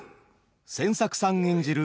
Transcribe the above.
千作さん演じる